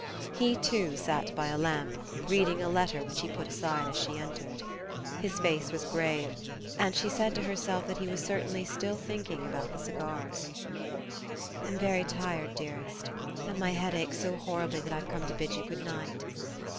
He too sat by a lamp, reading a letter which he put aside as she entered. His face was grave, and she said to herself that he was certainly still thinking about the cigars. "I'm very tired, dearest, and my head aches so horribly that I've come to bid you good night."